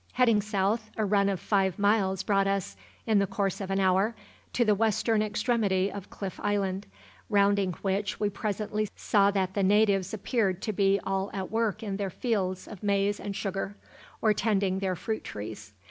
Heading south, a run of five miles brought us, in the course of an hour, to the western extremity of Cliff Island, rounding which we presently saw that the natives appeared to be all at work in their fields of maize and sugar, or tending their fruit trees.